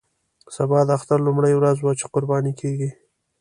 سبا د اختر لومړۍ ورځ وه چې قرباني کېږي.